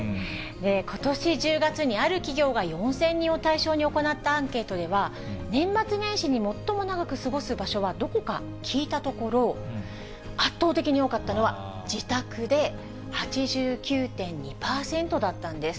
ことし１０月にある企業が４０００人を対象に行ったアンケートでは、年末年始に最も長く過ごす場所はどこか聞いたところ、圧倒的に多かったのは自宅で、８９．２％だったんです。